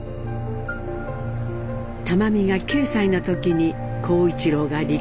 玉美が９歳の時に公一郎が離婚。